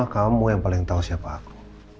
kamu yang paling tahu siapa aku